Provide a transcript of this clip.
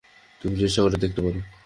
তুমি চেষ্টা করে দেখতে পার?